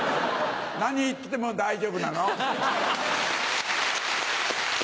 何言っても大丈夫なの。